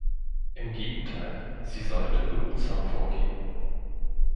Im Gegenteil, sie sollte behutsam vorgehen.